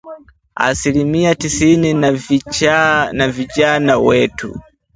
Asilimia tisini ya vijana wetu